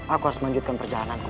aku harus melanjutkan perjalananku